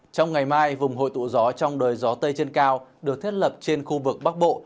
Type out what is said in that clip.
trong ngày mai vùng hội tụ gió trong đời gió tây trên cao được thiết lập trên khu vực bắc bộ